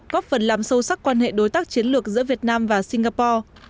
góp phần làm sâu sắc quan hệ đối tác chiến lược giữa việt nam và singapore